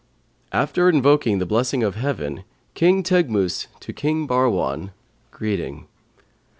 'After invoking the blessing of Heaven, King Teghmus to King Bahrwan, greeting.